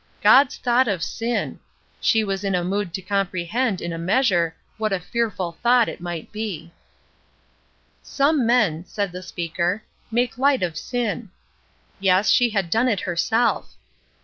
"God's thought of sin! She was in a mood to comprehend in a measure what a fearful thought it might be. "Some men," said the speaker, "make light of sin." Yes, she had done it herself.